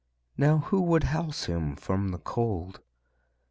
Now who would house Him from the cold?